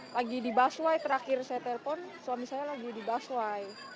lagi di baswai terakhir saya telpon suami saya lagi di baswai